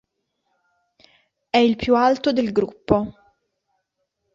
È il più alto del gruppo.